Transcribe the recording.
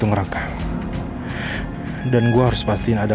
kok gue sampai gak tau sih kalau ada cctv disitu